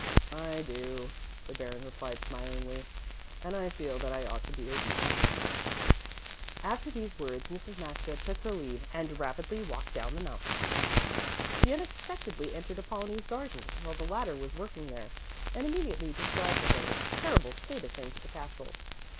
"I do," the Baron replied smilingly, "and I feel that I ought to be obedient." After these words Mrs. Maxa took her leave and rapidly walked down the mountain. She unexpectedly entered Apollonie's garden while the latter was working there, and immediately described to her the terrible state of things at the castle.